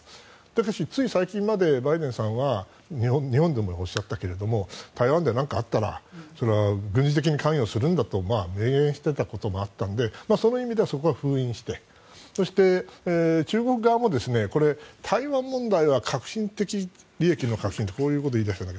ただし、つい最近までバイデンさんは日本でもおっしゃったけど台湾で何かあったらそれは軍事的に関与するんだと明言してたこともあったのでその意味ではそこは封印してそして、中国側もこれ、台湾問題は核心的利益の核心ってこういうことを言い出したと。